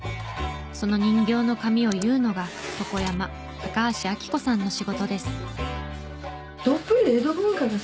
その人形の髪を結うのが床山高橋晃子さんの仕事です。